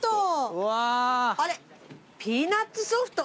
あれピーナッツソフト。